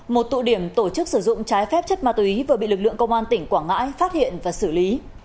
một tụ điểm tổ chức sử dụng trái phép chất ma túy vừa bị lực lượng công an tỉnh quảng ngãi phát hiện và xử lý